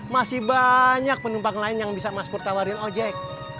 masih banyak penumpang lain yang bisa mas pur tawarin ojek